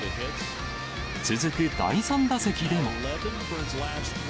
続く第３打席でも。